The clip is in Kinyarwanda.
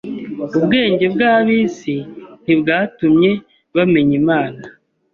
Ubwenge bw’ab’isi ntibwatumye bamenya Imana.